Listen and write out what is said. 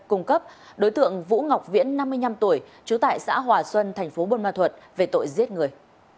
cung cấp đối tượng vũ ngọc viễn năm mươi năm tuổi trú tại xã hòa xuân tp bôn ma thuật về tội giết người